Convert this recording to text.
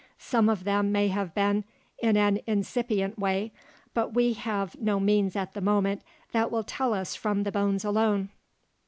Some of them may have been, in an "incipient" way, but we have no means at the moment that will tell us from the bones alone.